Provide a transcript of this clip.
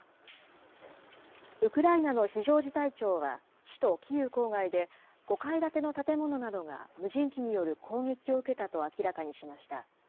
ウクライナの非常事態庁は、首都キーウ郊外で、５階建ての建物などが無人機による攻撃を受けたと明らかにしました。